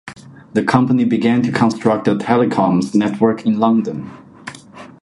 The company began to construct a telecoms network in London.